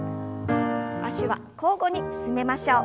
脚は交互に進めましょう。